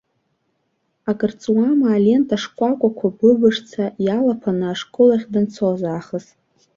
Акырҵуама алента шкәакәақәа быбышӡа иалаԥаны ашкол ахь данцоз аахыс?